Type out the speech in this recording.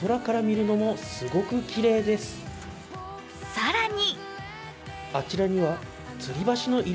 更に！